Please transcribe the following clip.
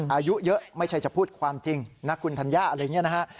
อายุเยอะไม่ใช่จะพูดความจริงนะคุณธัญญาอะไรอย่างนี้นะฮะ